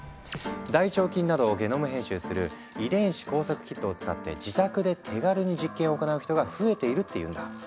大腸菌などをゲノム編集する「遺伝子工作キット」を使って自宅で手軽に実験を行う人が増えているっていうんだ。